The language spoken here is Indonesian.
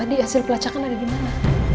jadi hasil kelacakan ada dimana